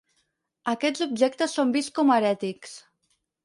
Aquests objectes són vists com a herètics.